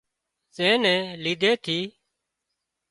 زين نين ليڌي ٿِي